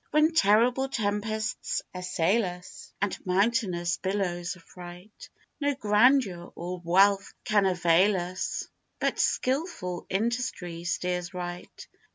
When terrible tempests assail us, And mountainous billows affright, No grandeur or wealth can avail us, But skilful industry steers right.